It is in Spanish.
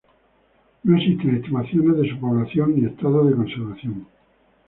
No existen estimaciones de su población ni estado de conservación.